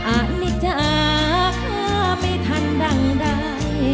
อันนี้จ้าฆ่าไม่ทันดังใด